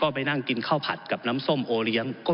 ผมอภิปรายเรื่องการขยายสมภาษณ์รถไฟฟ้าสายสีเขียวนะครับ